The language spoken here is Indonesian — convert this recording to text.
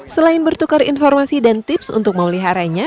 selain bertukar informasi dan tips untuk memeliharanya